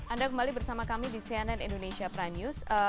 anda kembali bersama kami di cnn indonesia prime news